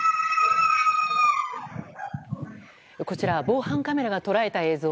こちら、防犯カメラが捉えた映像。